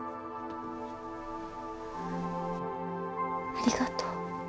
ありがとう。